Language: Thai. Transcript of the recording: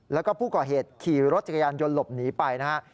แล้วก็ผู้ก่อเหตุขี่รถจักรยานยนต์หลบหนีไปนะฮะ